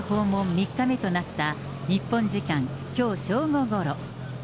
３日目となった日本時間きょう正午ごろ。